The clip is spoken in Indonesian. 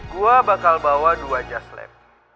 gua bakal bawa dua jazz lab